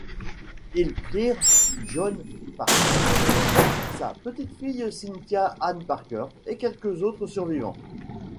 Ils prirent Jonh Parker, sa petite-fille Cynthia Ann Parker et quelques autres survivants.